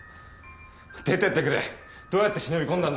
出てってくれどうやって忍び込んだんだ？